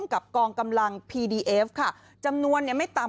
กลุ่มน้ำเบิร์ดเข้ามาร้านแล้ว